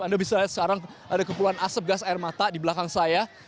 anda bisa lihat sekarang ada kepulan asap gas air mata di belakang saya